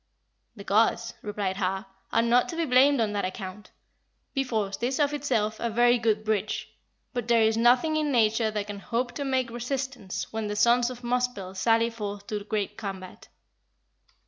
"The gods," replied Har, "are not to be blamed on that account; Bifrost is of itself a very good bridge, but there is nothing in nature that can hope to make resistance when the sons of Muspell sally forth to the great combat."